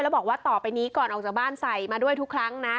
แล้วบอกว่าต่อไปนี้ก่อนออกจากบ้านใส่มาด้วยทุกครั้งนะ